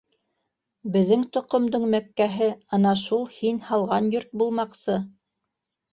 Беҙҙең тоҡомдоң Мәккәһе ана шул һин һалған йорт булмаҡсы.